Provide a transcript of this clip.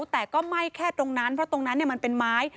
แต่ก็ไหม้แค่ตรงนั้นเพราะตรงนั้นมันเป็นไม้